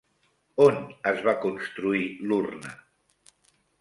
On es va construir l'urna?